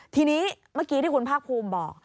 ทีนี้เมื่อกี้ที่คุณภาคภูมิบอก